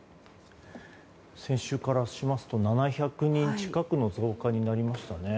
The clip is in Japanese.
先週からしますと７００人近くの増加になりましたね。